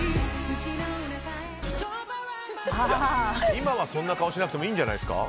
今はそんな顔しなくてもいいんじゃないですか。